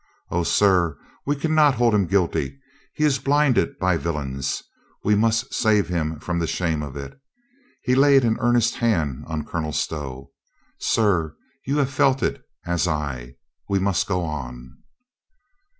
"O, sir, we can not hold him guilty. He is blinded by villains. We must save him from the shame of it." He laid an earnest hand on Colonel Stow. "Sir, you have felt it as I. We must go on."